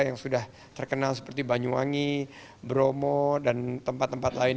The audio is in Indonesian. yang sudah terkenal seperti banyuwangi bromo dan tempat tempat lain